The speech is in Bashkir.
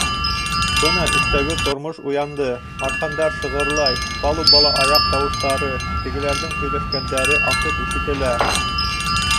Бына өҫтәге тормош уянды, арҡандар шығырлай, палубала аяҡ тауыштары, тегеләрҙең һөйләшкәндәре асыҡ ишетелә.